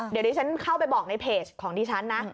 เดี๋ยวดิฉันเข้าไปบอกในเพจของดิฉันนะ